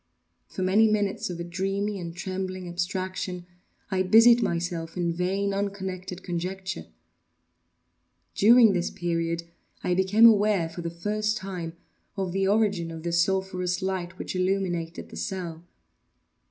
For many minutes of a dreamy and trembling abstraction, I busied myself in vain, unconnected conjecture. During this period, I became aware, for the first time, of the origin of the sulphurous light which illumined the cell.